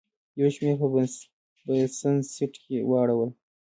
یو شمېر په بزنس سیټ کې واړول.